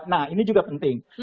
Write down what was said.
nah ini juga penting